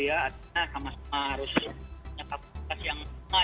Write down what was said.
artinya sama sama harus punya kapasitas yang sama